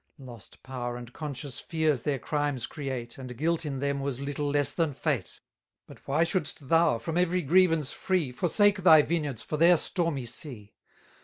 Lost power and conscious fears their crimes create, And guilt in them was little less than fate; But why shouldst thou, from every grievance free, Forsake thy vineyards for their stormy sea?